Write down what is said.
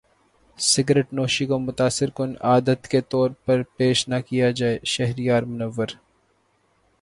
cigarette نوشی کو متاثر کن عادت کے طور پر پیش نہ کیا جائے شہریار منور